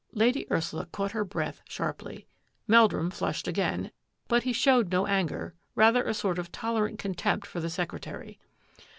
Lady Ursula caught her breath sharply. Mel drum flushed again, but he showed no anger, rather a sort of tolerant contempt for the secretary.